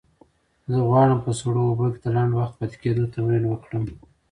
زه غواړم په سړو اوبو کې د لنډ وخت پاتې کېدو تمرین وکړم.